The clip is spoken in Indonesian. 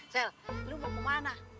sel lu mau kemana